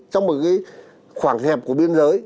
trong một cái khoảng hẹp của biên giới